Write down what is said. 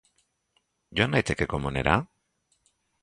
Joan naiteke komunera?